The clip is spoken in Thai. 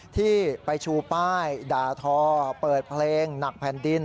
ที่ไปชูป้ายด่าทอเปิดเพลงหนักแผ่นดิน